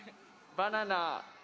バナナ！